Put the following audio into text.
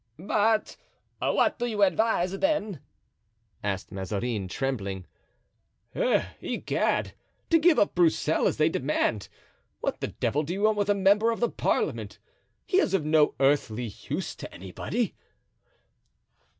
"But what do you advise, then?" asked Mazarin, trembling. "Eh, egad, to give up Broussel as they demand! What the devil do you want with a member of the parliament? He is of no earthly use to anybody."